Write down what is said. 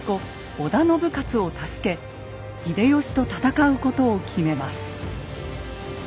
織田信雄を助け秀吉と戦うことを決めます。